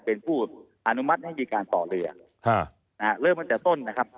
เป็นผู้อนุมัติให้บิการต่อเรือฮ่าอ่าเริ่มมาจากต้นนะครับ